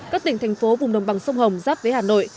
các tỉnh thành phố vùng đồng bằng sông hồng giáp với hà nội